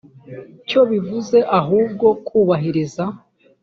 cyo bivuze ahubwo kubahiriza